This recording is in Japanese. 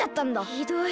ひどい。